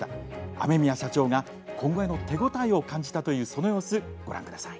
雨宮社長が今後への手応えを感じたというその様子ご覧ください。